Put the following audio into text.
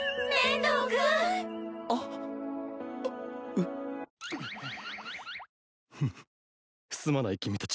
フッすまない君たち